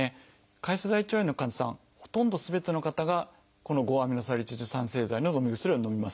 潰瘍性大腸炎の患者さんほとんどすべての方がこの５−アミノサリチル酸製剤ののみ薬をのみます。